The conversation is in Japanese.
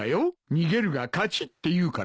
逃げるが勝ちっていうからな。